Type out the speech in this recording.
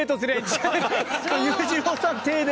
裕次郎さん邸で。